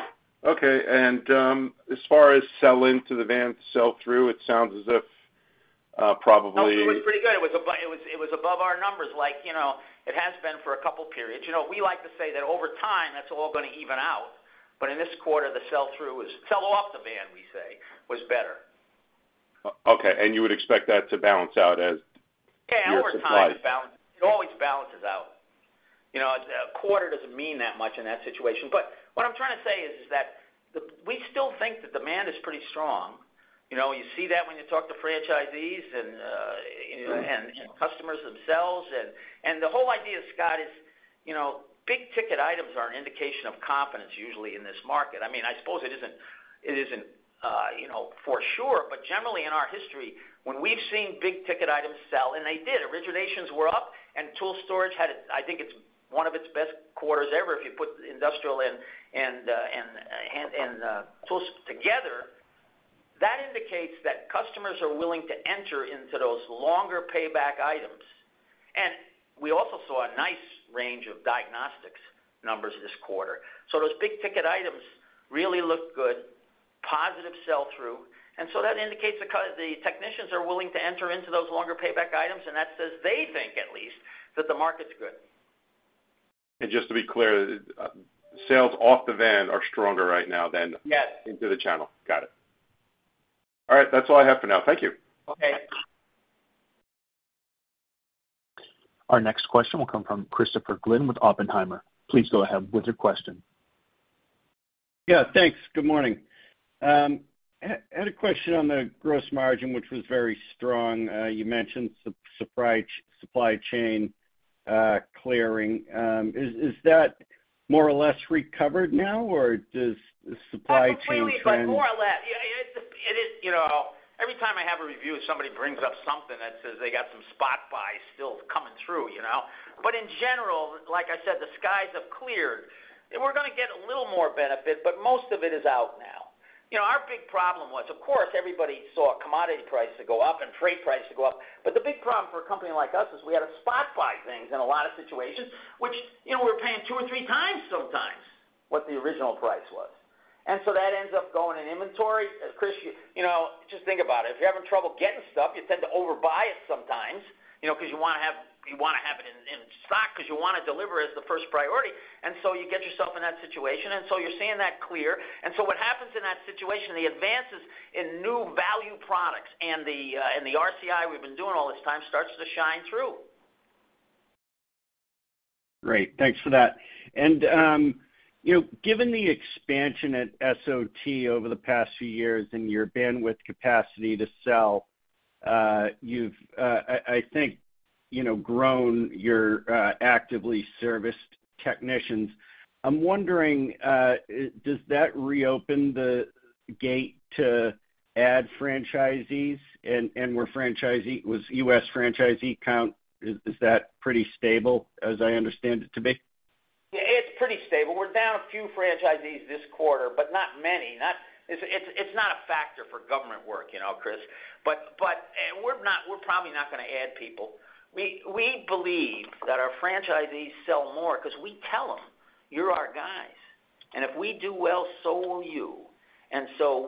Okay, as far as sell into the van, sell-through, it sounds as if.
No, it was pretty good. It was above our numbers, like, you know, it has been for a couple of periods. You know, we like to say that over time, that's all going to even out, in this quarter, the sell-through was sell off the van, we say, was better.
Okay, you would expect that to balance out as your supply?
Yeah, over time, it always balances out. You know, a quarter doesn't mean that much in that situation. What I'm trying to say, we still think that demand is pretty strong. You know, you see that when you talk to franchisees and customers themselves. The whole idea, Scott, is, you know, big ticket items are an indication of confidence usually in this market. I mean, I suppose it isn't, you know, for sure, but generally in our history, when we've seen big ticket items sell, and they did, originations were up and tool storage had, I think it's 1 of its best quarters ever, if you put industrial and tools together. That indicates that customers are willing to enter into those longer payback items. We also saw a nice range of diagnostics numbers this quarter. Those big ticket items really look good, positive sell-through. That indicates the technicians are willing to enter into those longer payback items, and that says they think, at least, that the market's good.
Just to be clear, sales off the van are stronger right now than-
Yes.
Into the channel. Got it. All right. That's all I have for now. Thank you.
Okay.
Our next question will come from Christopher Glynn with Oppenheimer. Please go ahead with your question.
Yeah, thanks. Good morning. I had a question on the gross margin, which was very strong. You mentioned supply chain clearing. Is that more or less recovered now, or does the supply chain trend?
Completely, more or less. Yeah, it is, you know, every time I have a review, somebody brings up something that says they got some spot buys still coming through, you know? In general, like I said, the skies have cleared. We're gonna get a little more benefit, but most of it is out now. You know, our big problem was, of course, everybody saw commodity prices go up and trade prices go up. The big problem for a company like us is we had to spot buy things in a lot of situations, which, you know, we're paying two or three times sometimes what the original price was. That ends up going in inventory. Chris, you know, just think about it. If you're having trouble getting stuff, you tend to overbuy it sometimes, you know, because you wanna have it in stock because you wanna deliver is the first priority. You get yourself in that situation, and so you're seeing that clear. What happens in that situation, the advances in new value products and the, and the RCI we've been doing all this time starts to shine through.
Great. Thanks for that. You know, given the expansion at SOT over the past few years and your bandwidth capacity to sell, you've, I think, you know, grown your actively serviced technicians. I'm wondering, does that reopen the gate to add franchisees, and were was U.S. franchisee count, is that pretty stable as I understand it to be?
It's pretty stable. We're down a few franchisees this quarter, but not many, not. It's not a factor for government work, you know, Chris. And we're probably not gonna add people. We believe that our franchisees sell more because we tell them, "You're our guys, and if we do well, so will you."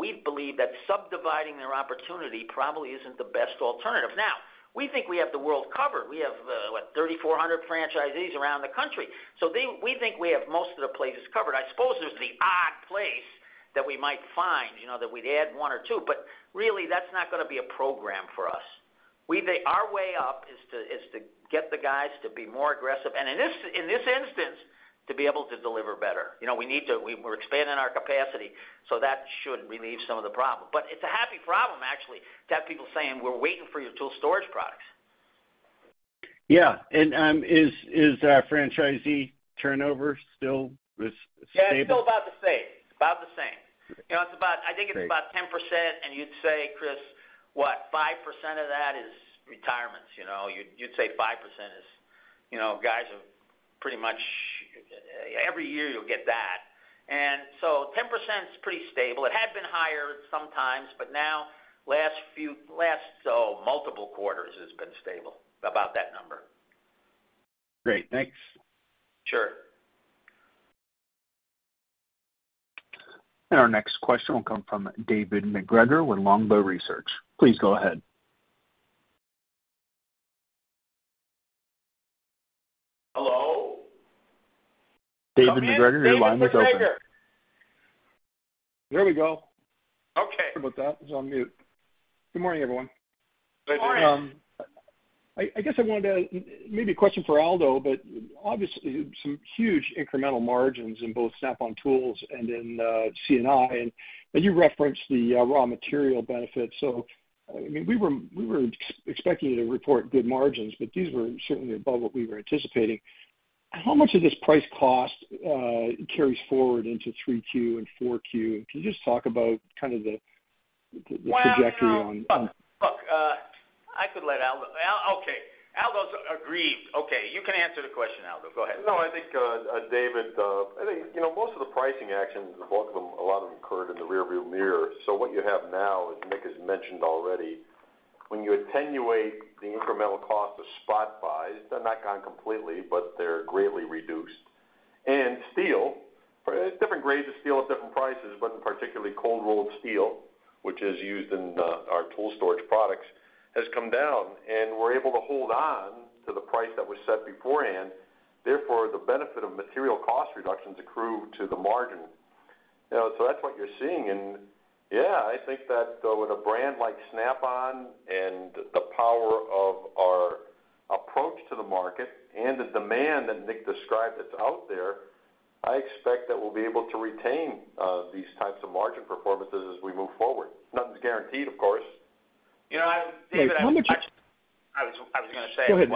We believe that subdividing their opportunity probably isn't the best alternative. Now, we think we have the world covered. We have, what? 3,400 franchisees around the country. We think we have most of the places covered. I suppose there's the odd place that we might find, you know, that we'd add 1 or 2, but really, that's not gonna be a program for us. Our way up is to get the guys to be more aggressive, and in this instance, to be able to deliver better. You know, we're expanding our capacity, so that should relieve some of the problem. It's a happy problem, actually, to have people saying, "We're waiting for your tool storage products.
Yeah. Is franchisee turnover still was stable?
Yeah, it's still about the same. It's about the same.
Great.
You know, I think it's about 10%, and you'd say, Chris, what? 5% of that is retirements, you know. You'd say 5% is, you know, guys have pretty much. Every year, you'll get that. 10% is pretty stable. It had been higher sometimes, but now, last few, so multiple quarters, it's been stable, about that number.
Great, thanks.
Sure.
Our next question will come from David MacGregor with Longbow Research. Please go ahead.
Hello?
David MacGregor, your line is open.
David MacGregor.
There we go.
Okay.
Sorry about that. It was on mute. Good morning, everyone.
Good morning.
I guess I wanted to, maybe a question for Aldo, but obviously, some huge incremental margins in both Snap-on Tools and in C&I. You referenced the raw material benefits. I mean, we were expecting you to report good margins, but these were certainly above what we were anticipating. How much of this price cost carries forward into 3Q and 4Q? Can you just talk about kind of the trajectory?
Well, look, I could let Aldo. Okay. Aldo's agreed. Okay, you can answer the question, Aldo. Go ahead.
No, I think, David, I think, you know, most of the pricing actions, the bulk of them, a lot of them occurred in the rearview mirror. What you have now, as Nick has mentioned already, when you attenuate the incremental cost of spot buys, they're not gone completely, but they're greatly reduced. Steel, different grades of steel at different prices, but particularly cold-rolled steel, which is used in our tool storage products, has come down, and we're able to hold on to the price that was set beforehand. Therefore, the benefit of material cost reductions accrue to the margin. You know, that's what you're seeing. Yeah, I think that with a brand like Snap-on and the power of our approach to the market and the demand that Nick described that's out there, I expect that we'll be able to retain these types of margin performances as we move forward. Nothing's guaranteed, of course.
You know.
David, why don't you-
I was gonna say-
Go ahead.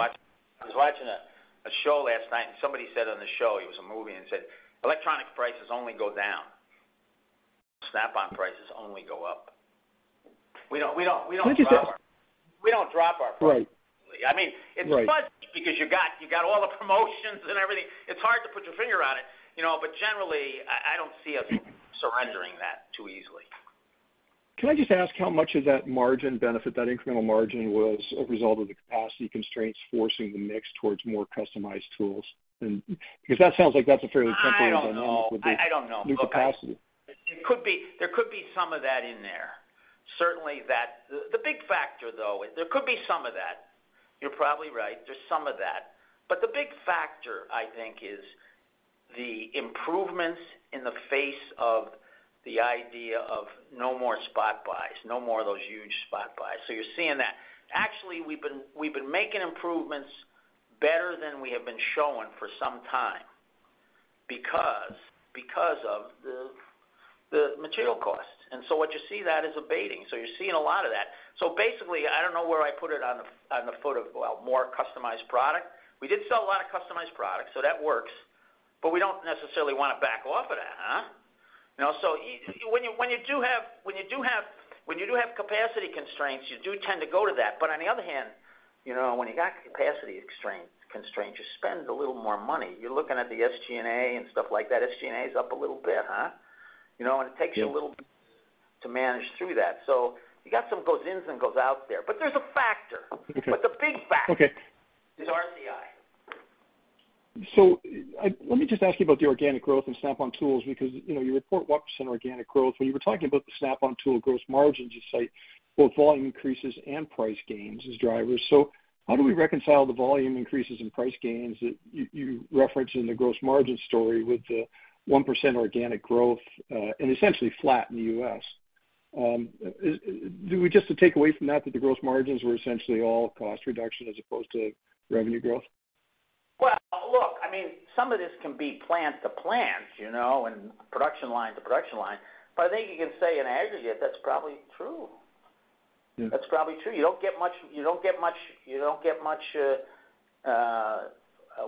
I was watching a show last night, and somebody said on the show, it was a movie, and said, "Electronic prices only go down. Snap-on prices only go up." We don't.
Right.
We don't drop our prices.
Right.
I mean, it's fuzzy because you got all the promotions and everything. It's hard to put your finger on it, you know, but generally, I don't see us surrendering that too easily.
Can I just ask how much of that margin benefit, that incremental margin, was a result of the capacity constraints forcing the mix towards more customized tools? Because that sounds like that's a fairly simple.
I don't know.
With the.
I don't know.
New capacity.
It could be, there could be some of that in there. Certainly, that the big factor, though, there could be some of that. You're probably right, there's some of that. The big factor, I think, is the improvements in the face of the idea of no more spot buys, no more of those huge spot buys. You're seeing that. Actually, we've been making improvements better than we have been showing for some time because of the material costs. What you see that is abating, you're seeing a lot of that. Basically, I don't know where I put it on the foot of, well, more customized product. We did sell a lot of customized products, so that works, but we don't necessarily want to back off of that, huh? You know, when you do have capacity constraints, you do tend to go to that. On the other hand, you know, when you got capacity constraints, you spend a little more money. You're looking at the SG&A and stuff like that. SG&A is up a little bit, huh? You know.
Yeah.
and it takes you a little to manage through that. You got some goes ins and goes out there, but there's a factor.
Okay.
The big factor.
Okay.
is RCI.
Let me just ask you about the organic growth in Snap-on Tools, because, you know, you report 1% organic growth. When you were talking about the Snap-on Tool gross margins, you cite both volume increases and price gains as drivers. How do we reconcile the volume increases in price gains that you referenced in the gross margin story with the 1% organic growth, and essentially flat in the US? Do we just take away from that the gross margins were essentially all cost reduction as opposed to revenue growth?
Well, look, I mean, some of this can be plant to plant, you know, and production line to production line, but I think you can say in aggregate, that's probably true.
Yeah.
That's probably true. You don't get much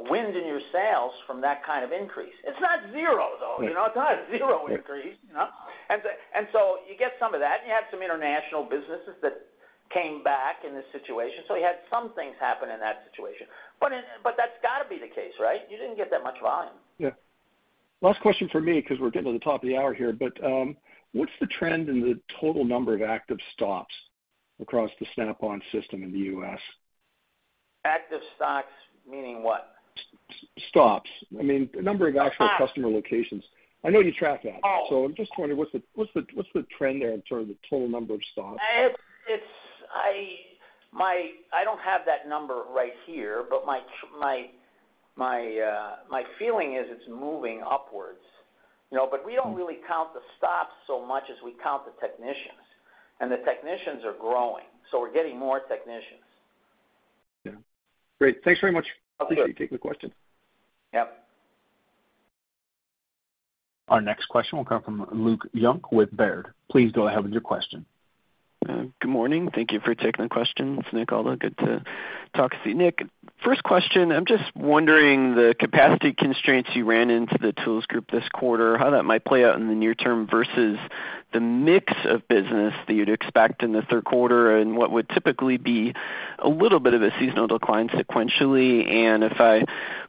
wind in your sails from that kind of increase. It's not zero, though.
Yeah.
You know, it's not zero increase, you know? You get some of that, and you had some international businesses that came back in this situation, so you had some things happen in that situation. That's got to be the case, right? You didn't get that much volume.
Yeah. Last question for me, because we're getting to the top of the hour here. What's the trend in the total number of active stops across the Snap-on system in the U.S.?
Active stocks, meaning what?
stops. I mean, the number of actual-
Ah!
customer locations. I know you track that.
Oh.
I'm just wondering, what's the trend there in terms of the total number of stops?
It's I don't have that number right here, but my feeling is it's moving upwards. You know.
Mm.
We don't really count the stops so much as we count the technicians, and the technicians are growing, so we're getting more technicians.
Yeah. Great. Thanks very much.
Okay.
for taking the question.
Yep.
Our next question will come from Luke Junk with Baird. Please go ahead with your question.
Good morning. Thank you for taking the question. It's Nick, Aldo, good to talk to you. Nick, first question, I'm just wondering, the capacity constraints you ran into the tools group this quarter, how that might play out in the near term versus the mix of business that you'd expect in the third quarter, and what would typically be a little bit of a seasonal decline sequentially. If I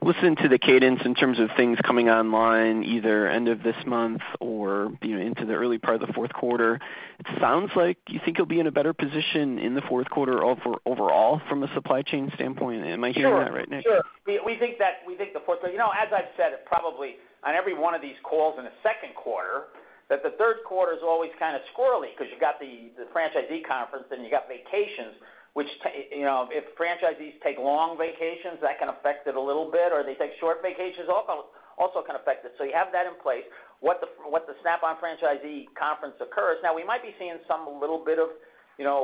listen to the cadence in terms of things coming online, either end of this month or, you know, into the early part of the fourth quarter, it sounds like you think you'll be in a better position in the fourth quarter overall from a supply chain standpoint. Am I hearing that right, Nick?
Sure. Sure, we think the fourth. You know, as I've said, probably on every one of these calls in the second quarter, that the third quarter is always kind of squirrely because you've got the franchisee conference, and you got vacations, which you know, if franchisees take long vacations, that can affect it a little bit, or they take short vacations, also can affect it. You have that in place. The Snap-on franchisee conference occurs. We might be seeing some little bit of, you know,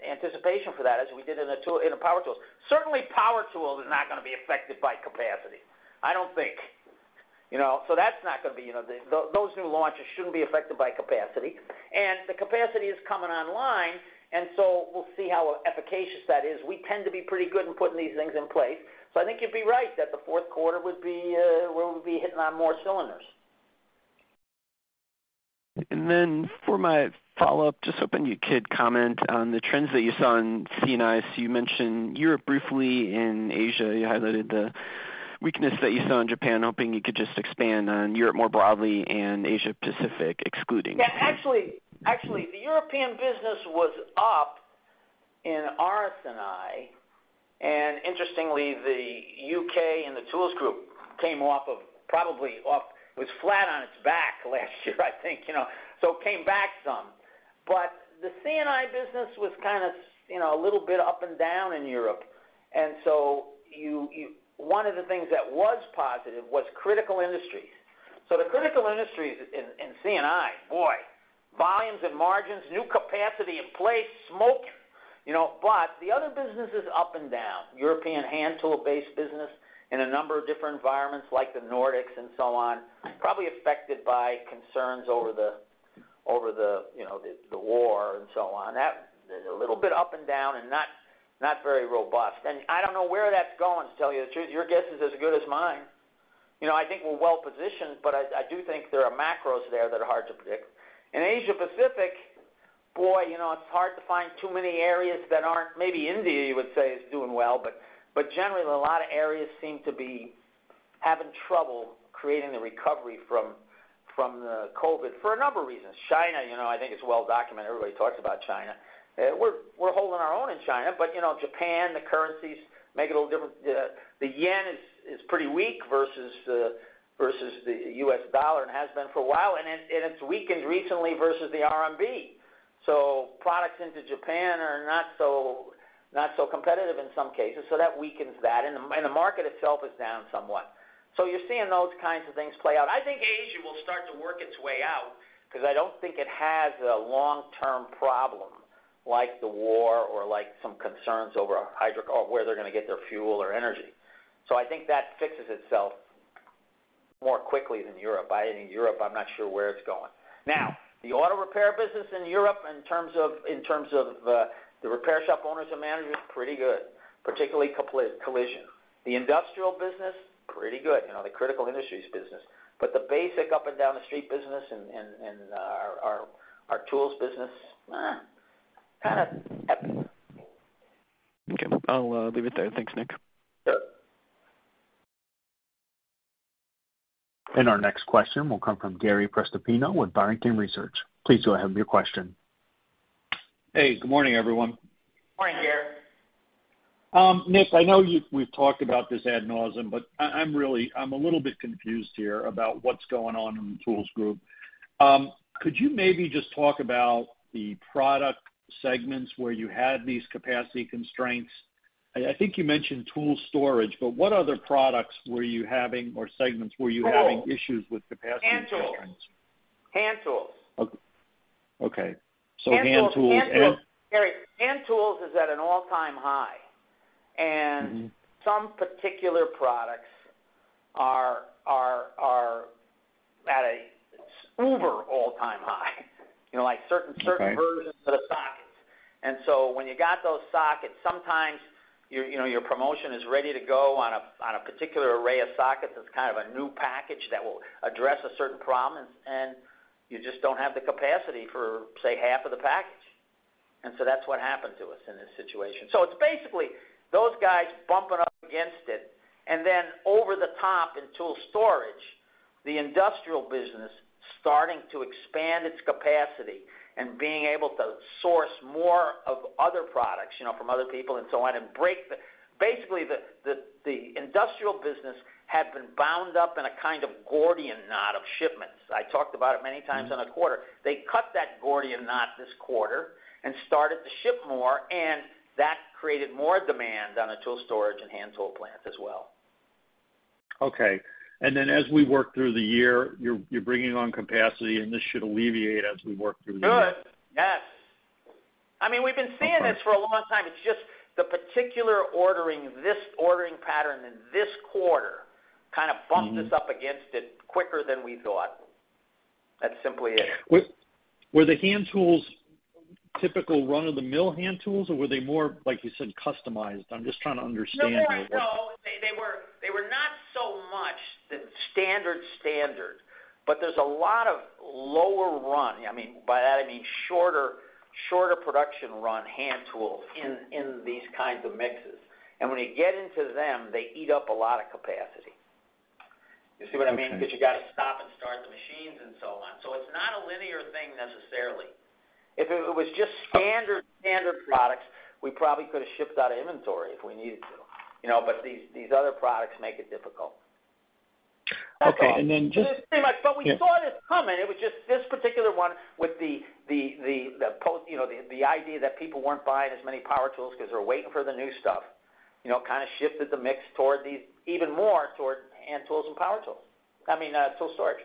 anticipation for that, as we did in the power tools. Certainly, power tools is not going to be affected by capacity, I don't think. You know, that's not going to be, you know. Those new launches shouldn't be affected by capacity, and the capacity is coming online, and so we'll see how efficacious that is. We tend to be pretty good in putting these things in place. I think you'd be right, that the fourth quarter would be where we'll be hitting on more cylinders.
For my follow-up, just hoping you could comment on the trends that you saw in C&I. You mentioned Europe briefly, in Asia, you highlighted the weakness that you saw in Japan. Hoping you could just expand on Europe more broadly and Asia Pacific.
Yeah, actually, the European business was up in RS&I. Interestingly, the UK and the tools group came off of, probably was flat on its back last year, I think, you know, it came back some. The C&I business was kind of, you know, a little bit up and down in Europe. You, one of the things that was positive was critical industries. The critical industries in C&I, boy, volumes and margins, new capacity in place, smoke! You know, the other business is up and down. European hand tool-based business in a number of different environments, like the Nordics and so on, probably affected by concerns over the, you know, the war and so on. That is a little bit up and down and not very robust. I don't know where that's going, to tell you the truth. Your guess is as good as mine. You know, I think we're well positioned, but I do think there are macros there that are hard to predict. In Asia Pacific, boy, you know, it's hard to find too many areas that aren't. Maybe India, you would say, is doing well, but generally, a lot of areas seem to be having trouble creating the recovery from the COVID for a number of reasons. China, you know, I think it's well documented. Everybody talks about China. We're, we're holding our own in China, but, you know, Japan, the currencies make it a little different. The, the yen is pretty weak versus the, versus the US dollar and has been for a while, and it, and it's weakened recently versus the RMB. Products into Japan are not so, not so competitive in some cases, so that weakens that, and the, and the market itself is down somewhat. You're seeing those kinds of things play out. I think Asia will start to work its way out, 'cause I don't think it has a long-term problem, like the war or like some concerns over where they're gonna get their fuel or energy. I think that fixes itself more quickly than Europe. In Europe, I'm not sure where it's going. Now, the auto repair business in Europe, in terms of the repair shop owners and managers, pretty good, particularly collision. The industrial business, pretty good, you know, the critical industries business. The basic up-and-down the street business and our tools business, kind of up.
Okay. I'll leave it there. Thanks, Nick.
Yep.
Our next question will come from Gary Prestopino with Barrington Research. Please go ahead with your question.
Hey, good morning, everyone.
Morning, Gary.
Nick, I know we've talked about this ad nauseam, but I'm really a little bit confused here about what's going on in the Tools Group. Could you maybe just talk about the product segments where you had these capacity constraints? I think you mentioned tool storage, but what other products were you having, or segments, were you having issues with capacity?
Hand tools. Hand tools.
Ok, hand tools.
Gary, hand tools is at an all-time high.
Mm-hmm.
Some particular products are at a uber all-time high you know, like.
Okay
certain versions of the sockets. When you got those sockets, sometimes your, you know, your promotion is ready to go on a particular array of sockets, that's kind of a new package that will address a certain problem, and you just don't have the capacity for, say, half of the package. That's what happened to us in this situation. It's basically those guys bumping up against it and then over the top in tool storage, Basically, the industrial business had been bound up in a kind of Gordian knot of shipments. I talked about it many times in a quarter. They cut that Gordian knot this quarter and started to ship more, and that created more demand on the tool storage and hand tool plants as well.
Okay, then as we work through the year, you're bringing on capacity, and this should alleviate as we work through the year?
Good. Yes. I mean, we've been seeing this for a long time. It's just the particular ordering, this ordering pattern in this quarter, kind of-
Mm-hmm
bumped us up against it quicker than we thought. That's simply it.
Were the hand tools typical run-of-the-mill hand tools, or were they more, like you said, customized? I'm just trying to understand here.
No, they were not so much the standard, but there's a lot of lower run. I mean, by that I mean shorter production run, hand tools in these kinds of mixes. When you get into them, they eat up a lot of capacity. You see what I mean?
Okay.
You got to stop and start the machines and so on. It's not a linear thing necessarily. If it was just standard products, we probably could have shipped out inventory if we needed to, you know, these other products make it difficult.
Okay.
Pretty much.
Yeah.
We saw this coming. It was just this particular one with the post, you know, the idea that people weren't buying as many power tools because they're waiting for the new stuff, you know, kind of shifted the mix toward these, even more toward hand tools and power tools. I mean, tool storage.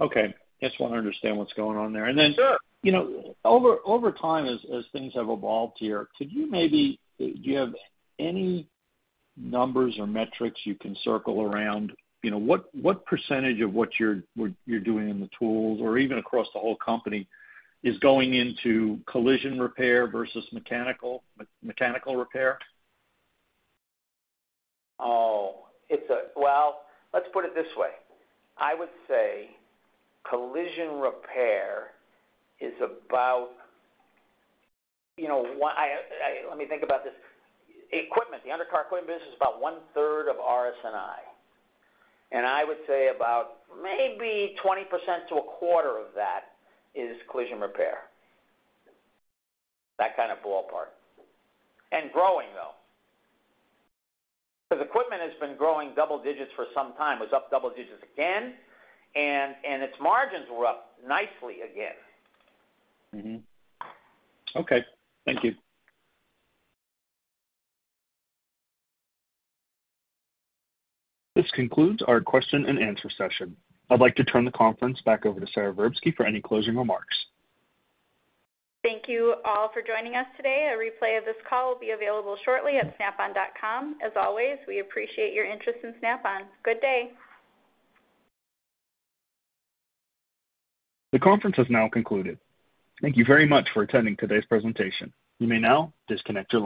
Okay. Just want to understand what's going on there.
Sure.
Then, you know, over time, as things have evolved here, could you maybe, do you have any numbers or metrics you can circle around? You know, what % of what you're doing in the tools or even across the whole company, is going into collision repair versus mechanical repair?
Well, let's put it this way: I would say collision repair is about, you know, I, let me think about this. Equipment, the undercar equipment business, is about one third of RS&I, and I would say about maybe 20% to a quarter of that is collision repair. That kind of ballpark. Growing, though. Equipment has been growing double digits for some time, was up double digits again, and its margins were up nicely again.
Mm-hmm. Okay, thank you.
This concludes our question and answer session. I'd like to turn the conference back over to Sara Verbsky for any closing remarks.
Thank you all for joining us today. A replay of this call will be available shortly at snapon.com. As always, we appreciate your interest in Snap-on. Good day!
The conference has now concluded. Thank you very much for attending today's presentation. You may now disconnect your line.